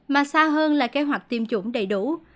mà xa hơn là kế hoạch tiêm chủng đầy đủ